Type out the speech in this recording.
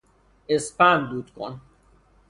اسپند دود کن